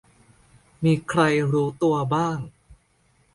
มีใครรู้ตัวบ้าง